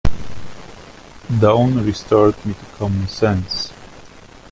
Dawn restored me to common sense.